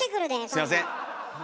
すいません。